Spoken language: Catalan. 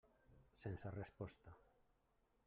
Sense resposta.